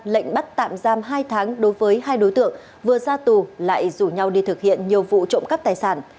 lệnh bắt tạm giam hai tháng đối với hai đối tượng vừa ra tù lại rủ nhau đi thực hiện nhiều vụ trộm cắp tài sản